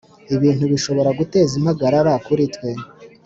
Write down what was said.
ibintu bishobora guteza impagarara kuri twe